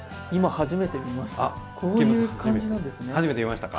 初めて見ましたか。